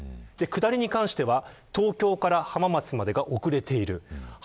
下りに関しては東京から浜松までが遅れている。